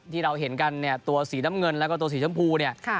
ที่เราเห็นกันตัวสีน้ำเงินและสีชมพู